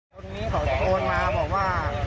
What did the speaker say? คนนี้เขาตะโกนมาบอกว่า